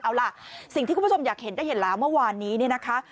เอาล่ะสิ่งที่คุณผู้ชมอยากเห็นได้เห็นแล้วเมื่อวานนี้เนี่ยนะคะ